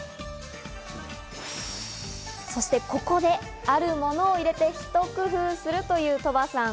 そしてここで、あるものを入れて、ひと工夫するという鳥羽さん。